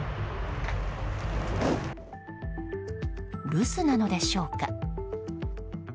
留守なのでしょうか。